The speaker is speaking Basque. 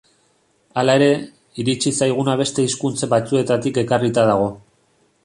Hala ere, iritsi zaiguna beste hizkuntz batzuetatik ekarrita dago.